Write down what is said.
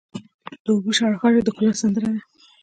د اوبو شرهاری د ښکلا سندره ده.